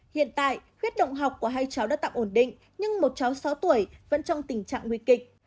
hiện tại huyết động học của hai cháu đã tạm ổn định nhưng một cháu sáu tuổi vẫn trong tình trạng nguy kịch